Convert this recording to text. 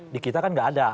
di kita kan tidak ada